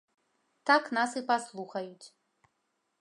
Так нас і паслухаюць.